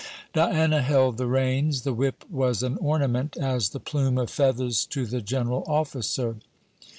Diana held the reins. The whip was an ornament, as the plume of feathers to the general officer.